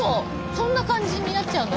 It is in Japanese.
そんな感じになっちゃうの？